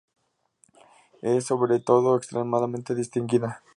Es sobre todo extremadamente distinguida.